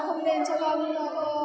cũng nghe cư vấn từ các cô giáo